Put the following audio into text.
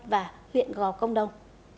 và huyện gò công đông